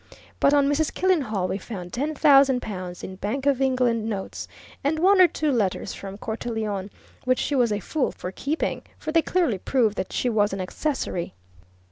But on Mrs. Killenhall we found ten thousand pounds in Bank of England notes, and one or two letters from Cortelyon, which she was a fool for keeping, for they clearly prove that she was an accessory.